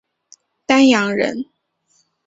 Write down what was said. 丹阳人。